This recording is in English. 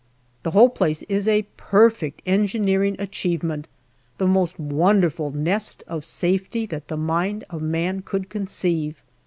The whole place is a perfect engineering achieve ment the most wonderful nest of safety that the mind of man could conceive.